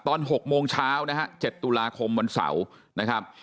ตอน๖โมงเช้านะฮะ๗ตุลาคมวันเสาร์นะครับ